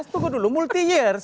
tunggu dulu multi years